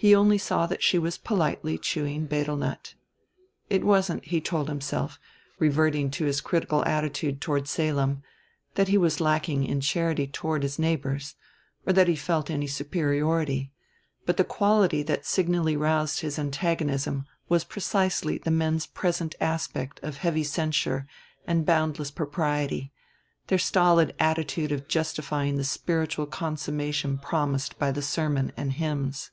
He only saw that she was politely chewing betel nut. It wasn't, he told himself, reverting to his critical attitude toward Salem, that he was lacking in charity toward his neighbors, or that he felt any superiority; but the quality that signally roused his antagonism was precisely the men's present aspect of heavy censure and boundless propriety, their stolid attitude of justifying the spiritual consummation promised by the sermon and hymns.